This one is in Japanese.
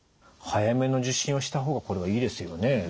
早めの受診をした方がこれはいいですよね。